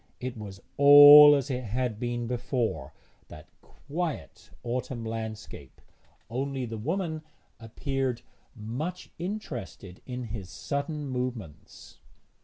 It was all as it had been before that quiet autumn landscape only the woman appeared much interested in his sudden movements.